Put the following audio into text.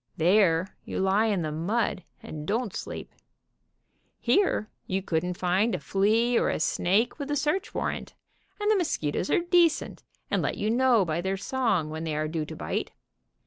There you lie in the mud and don't sleep. Here you couldn't find a flea or a snake with a search warrant, and the mosquitoes are decent, and let you know by their song when they are due to bite.